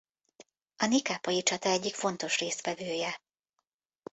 A nikápolyi csata egyik fontos résztvevője.